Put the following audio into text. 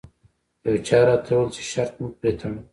یو چا راته وویل چې شرط مه پرې تړه.